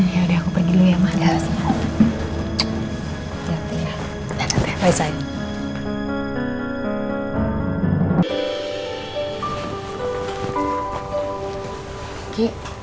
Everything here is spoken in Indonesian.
ya udah aku pergi dulu ya mbak